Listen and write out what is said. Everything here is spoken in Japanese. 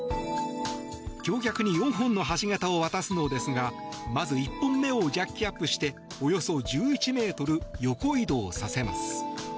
橋脚に４本の橋桁を渡すのですがまず１本目をジャッキアップしておよそ１１ｍ、横移動させます。